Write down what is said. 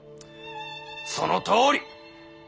そのとおり。